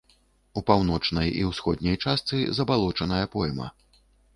У паўночнай і ўсходняй частцы забалочаная пойма.